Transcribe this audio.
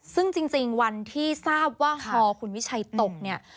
ซึ่งจริงวันที่ทราบว่าฮอคุณวิชัยตกเนี่ย